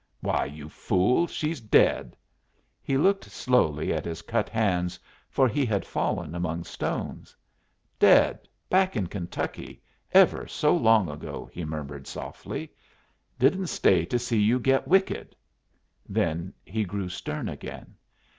"Why, you fool, she's dead!" He looked slowly at his cut hands, for he had fallen among stones. "Dead, back in Kentucky, ever so long ago," he murmured, softly. "Didn't stay to see you get wicked." Then he grew stern again.